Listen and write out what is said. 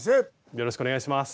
よろしくお願いします。